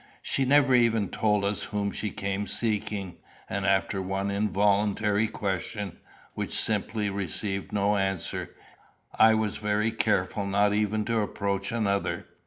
She never even told us whom she came seeking, and after one involuntary question, which simply received no answer, I was very careful not even to approach another.